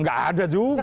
nggak ada juga